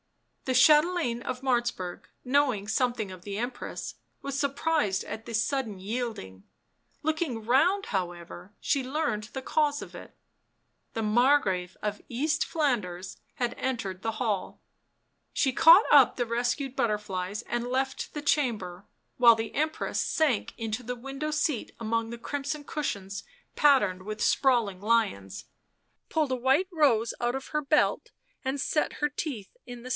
The chatelaine of Martzburg, knowing something of the Empress, was surprised at this sudden yielding; looking round, however, she learnt the cause of it. The Margrave of East Flanders had entered the hall. She caught up the rescued butterflies and left the chamber, while the Empress sank into the window seat among the crimson cushions patterned with sprawling lions, pulled a white rose out of her belt and set her teeth in the stem of it.